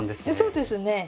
そうですね。